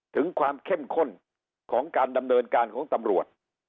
ถึงความเข้มข้นของการดำเนินการของตำรวจ